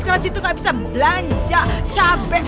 karena si itu gak bisa belanja capek